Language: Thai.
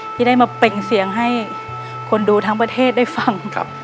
ที่ได้มาเปล่งเสียงให้คนดูทั้งประเทศได้ฟัง